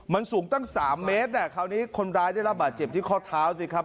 มันสูงตั้ง๓เมตรคราวนี้คนร้ายได้รับบาดเจ็บที่ข้อเท้าสิครับ